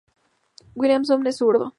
Williamson es zurdo.